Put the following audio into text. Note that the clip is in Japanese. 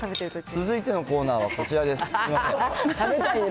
続いてのコーナーはこちらです。